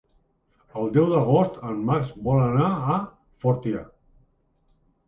El deu d'agost en Max vol anar a Fortià.